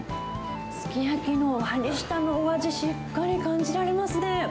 すき焼きの割り下のお味、しっかり感じられますね。